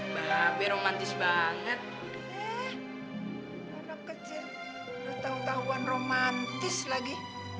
tahu tahuan romantis lagi